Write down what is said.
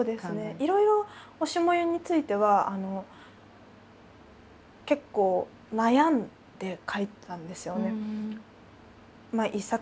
いろいろ「推し、燃ゆ」については結構悩んで書いてたんですよね。